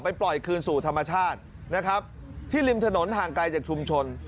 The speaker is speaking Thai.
ปล่อยคืนสู่ธรรมชาตินะครับที่ริมถนนห่างไกลจากชุมชน